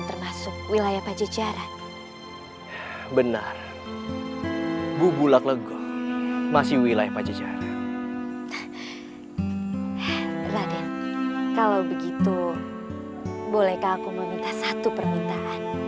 raden kalau begitu bolehkah aku meminta satu permintaan